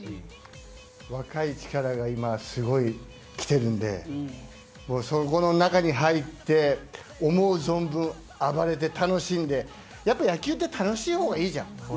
若い力が今すごい来てるんで、そこの中に入って思う存分暴れて、楽しんでやっぱり野球って楽しい方がいいじゃん。